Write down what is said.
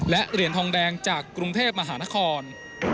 และเหรียญทองแดงจากกรุงเทพมหานคร